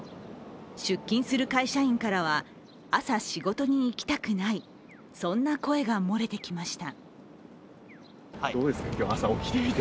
出勤する会社員からは、朝、仕事に行きたくない、そんな声が漏れてきました。